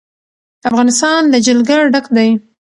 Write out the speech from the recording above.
افغانستان له جلګه ډک دی.